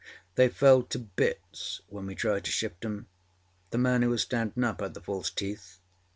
They fell to bits when we tried to shift âem. The man who was standinâ up had the false teeth.